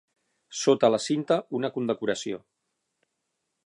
Sota la cinta una condecoració.